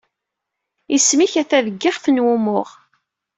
Isem-ik ata deg ixef n wumuɣ.